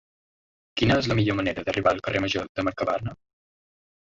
Quina és la millor manera d'arribar al carrer Major de Mercabarna?